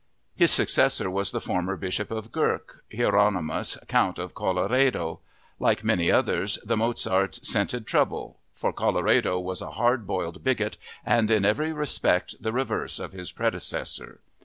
His successor was the former Bishop of Gurk, Hieronymus, Count of Colloredo. Like many others, the Mozarts scented trouble, for Colloredo was a hard boiled bigot and in every respect the reverse of his predecessor.